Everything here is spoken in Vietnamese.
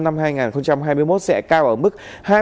năm hai nghìn hai mươi một sẽ cao ở mức